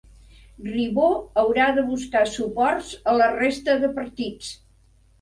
Ribó haurà de buscar suports a la resta de partits